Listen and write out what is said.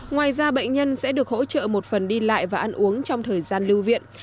ngoài ra bệnh nhân sẽ được hỗ trợ một phần đi lại và ăn uống trong thời gian lưu viện